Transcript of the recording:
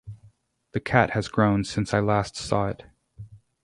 The cat has grown since I last saw it.